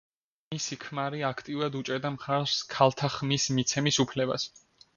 მისი ქმარი აქტიურად უჭერდა მხარს ქალთა ხმის მიცემის უფლებას.